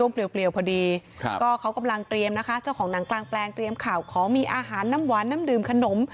เปรียวพอดีครับก็เขากำลังเตรียมนะคะเจ้าของหนังกลางแปลงเตรียมข่าวของมีอาหารน้ำหวานน้ำดื่มขนม